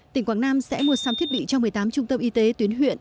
tỉnh quảng nam sẽ mua sắm thiết bị cho một mươi tám trung tâm y tế tuyến huyện